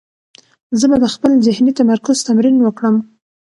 زه به د خپل ذهني تمرکز تمرین وکړم.